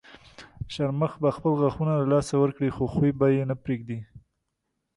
شرمښ به خپل غاښونه له لاسه ورکړي خو خوی به یې نه پرېږدي.